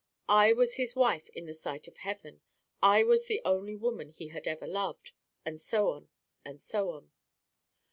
I was his wife in the sight of Heaven; I was the only woman he had ever loved; and so on, and so on.